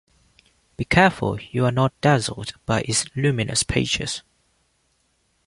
Be careful you are not dazzled by its luminous pages.